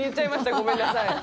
ごめんなさい。